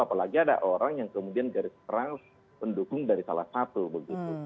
apalagi ada orang yang kemudian garis perang pendukung dari salah satu begitu